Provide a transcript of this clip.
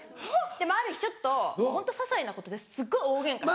でもある日ちょっとホントささいなことですっごい大ゲンカして。